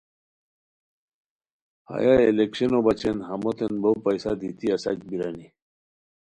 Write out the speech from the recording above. ہیہ الیکشنو بچین ہموتین بو پیسہ دیتی اساک بیرانی